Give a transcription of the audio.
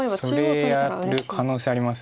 それやる可能性あります。